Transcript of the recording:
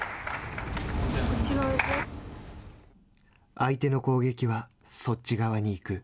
相手の攻撃はそっち側に行く。